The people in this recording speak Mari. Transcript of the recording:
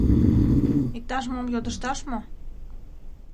Иктаж-мом йодышташ мо?!